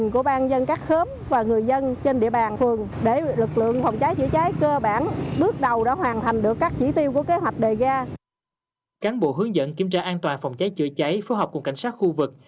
cáng bộ hướng dẫn kiểm tra an toàn phòng cháy chữa cháy phối hợp cùng cảnh sát khu vực